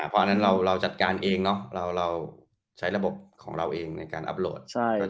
เพราะอันนั้นเราจัดการเองเราใช้ระบบของเราเองในการอัพโหลด